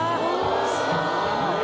すごい。